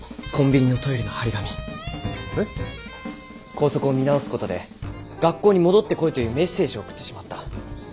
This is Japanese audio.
校則を見直す事で学校に戻ってこいというメッセージを送ってしまった。